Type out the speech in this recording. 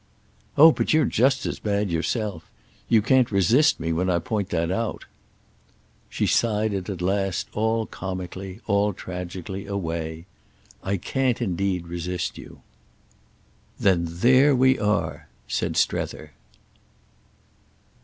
"Oh but you're just as bad yourself. You can't resist me when I point that out." She sighed it at last all comically, all tragically, away. "I can't indeed resist you." "Then there we are!" said Strether.